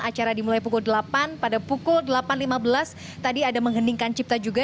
acara dimulai pukul delapan pada pukul delapan lima belas tadi ada menghendingkan cipta juga